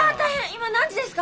今何時ですか？